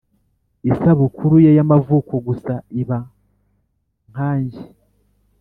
isabukuru ye y'amavuko gusa iba nkanjye.